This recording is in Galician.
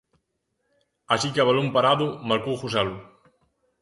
Así que a balón parado marcou Joselu.